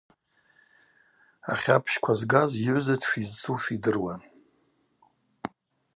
Ахьапщква згаз йыгӏвза дшйызцуш йдыруан.